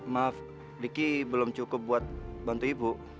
maaf diki belum cukup buat bantu ibu